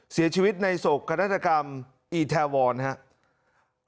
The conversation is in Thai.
เสียชีวิตในโสกรัฐกรรมอีแทวอนครับ